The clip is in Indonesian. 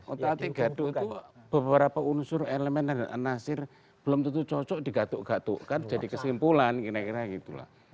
otak tiga itu beberapa unsur elemen dan anasir belum tentu cocok digatuk gatukkan jadi kesimpulan kira kira gitu lah